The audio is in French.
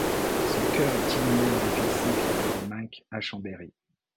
Son cœur est inhumé en l'église Saint-Pierre de Lémenc à Chambéry.